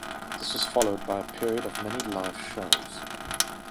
This was followed by a period of many live shows.